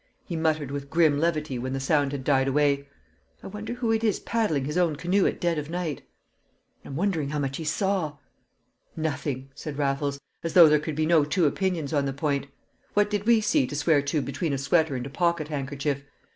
he muttered with grim levity when the sound had died away. "I wonder who it is paddling his own canoe at dead of night?" "I'm wondering how much he saw." "Nothing," said Raffles, as though there could be no two opinions on the point. "What did we see to swear to between a sweater and a pocket handkerchief?